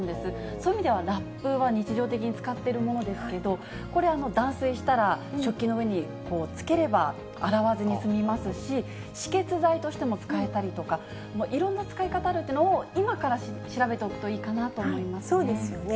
そういう意味では、ラップは日常的に使っているものですけれども、これ、断水したら食器の上につければ、洗わずに済みますし、止血剤としても使えたりとか、いろんな使い方あるっていうのを、今から調べておくといいかなと思いますね。